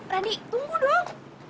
randy tunggu dong